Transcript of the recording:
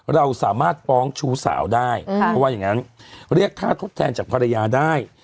เราสามารถฟ้องชู้สาวได้เพราะว่าอย่างนั้นเรียกค่าทดแทนจากภรรยาได้